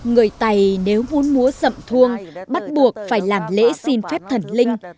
người tài nếu muốn mua rậm thuông bắt buộc phải làm lễ xin phép thần linh